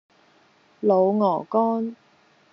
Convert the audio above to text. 滷鵝肝